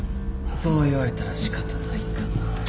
そう言われたら仕方ないかなぁ。